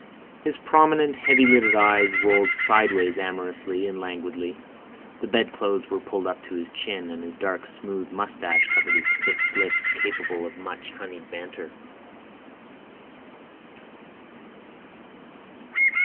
His prominent, heavy lidded eyes rolled sideways amorously and languidly, the bedclothes were pulled up to his chin, and his dark smooth moustache covered his thick lips capable of much honeyed banter.